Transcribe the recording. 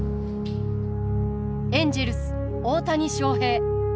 エンジェルス大谷翔平。